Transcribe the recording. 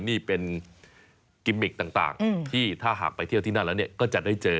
นี่เป็นกิมมิกต่างที่ถ้าหากไปเที่ยวที่นั่นแล้วก็จะได้เจอ